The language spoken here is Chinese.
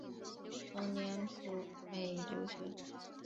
同年赴美留学。